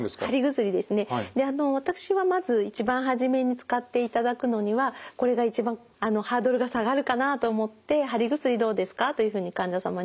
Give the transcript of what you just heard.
私はまず一番初めに使っていただくのにはこれが一番ハードルが下がるかなと思って「貼り薬どうですか」というふうに患者様にはお話をします。